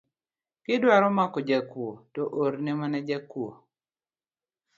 Kidwaro mako jakuo to orne mana jakuo